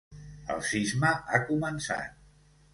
El cisma ha començat.